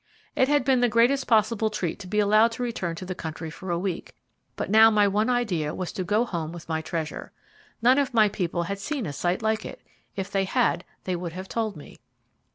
It had been the greatest possible treat to be allowed to return to the country for a week, but now my one idea was to go home with my treasure. None of my people had seen a sight like that. If they had, they would have told me.